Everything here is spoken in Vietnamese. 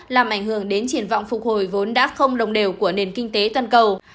làm ảnh hưởng đến triển vọng phục hồi vốn đã không đồng đều của nền kinh tế toàn cầu